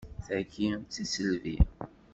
Tagi d tiselbi!